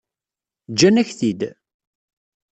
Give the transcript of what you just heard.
Ǧǧan-ak-t-id?